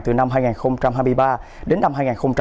từ năm hai nghìn hai mươi ba đến năm hai nghìn hai mươi ba